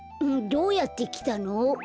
どうやってきたの？